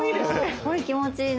すごい気持ちいい。